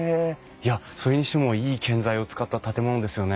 いやそれにしてもいい建材を使った建物ですよね。